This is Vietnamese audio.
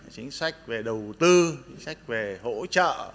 chính sách về đầu tư chính sách về hỗ trợ